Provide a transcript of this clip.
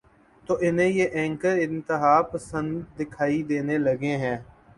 تو انہیں یہ اینکر انتہا پسند دکھائی دینے لگے ہیں۔